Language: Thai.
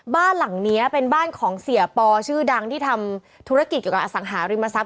บ้านหลังนี้เป็นบ้านของเสียปอชื่อดังที่ทำธุรกิจเกี่ยวกับอสังหาริมทรัพย